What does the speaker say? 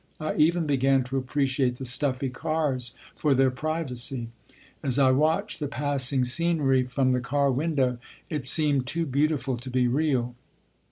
I even began to appreciate the "stuffy" cars for their privacy. As I watched the passing scenery from the car window, it seemed too beautiful to be real.